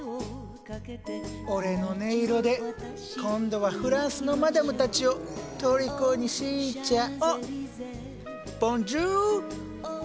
俺の音色で今度はフランスのマダムたちをとりこにしちゃお。